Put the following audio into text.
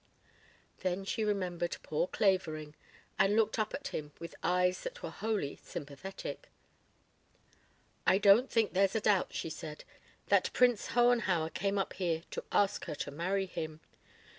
Then she remembered poor Clavering and looked up at him with eyes that were wholly sympathetic. "I don't think there's a doubt," she said, "that Prince Hohenhauer came up here to ask her to marry him.